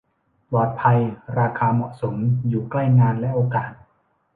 ปลอดภัย ราคาเหมาะสม อยู่ใกล้งานและโอกาส